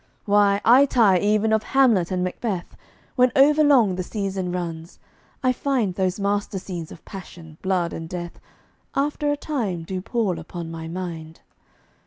Why, I tire even of Hamlet and Macbeth! When overlong the season runs, I find Those master scenes of passion, blood, and death, After a time do pall upon my mind.